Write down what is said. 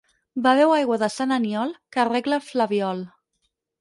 Beveu aigua de sant Aniol, que arregla el flabiol.